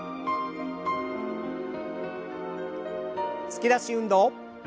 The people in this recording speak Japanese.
突き出し運動。